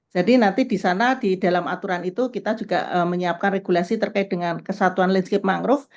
jadi nanti di sana di dalam aturan itu kita juga menyiapkan regulasi terkait dengan kesatuan landscape mangrove